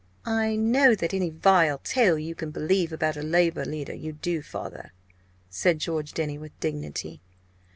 "I know that any vile tale you can believe about a Labour leader you do, father," said George Denny, with dignity.